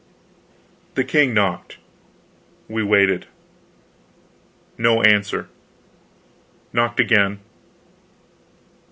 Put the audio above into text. The king knocked. We waited. No answer. Knocked again.